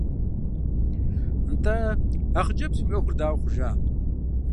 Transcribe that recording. НтӀэ, а хъыджэбзым и Ӏуэхур дауэ хъужа?